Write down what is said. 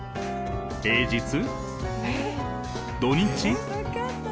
平日？土日？